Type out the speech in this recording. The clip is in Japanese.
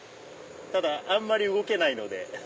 ただあんまり動けないので。